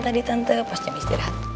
tadi tante pas jam istirahat